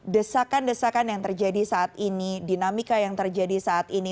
desakan desakan yang terjadi saat ini dinamika yang terjadi saat ini